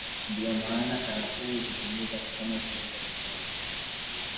Ndio maana Karafuu hutumika kama kiungo cha chai